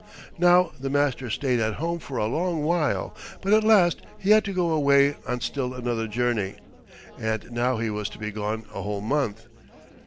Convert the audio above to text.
Now the Master stayed at home for a long while, but at last he had to go away on still another journey, and now he was to be gone a whole month.